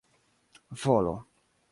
volo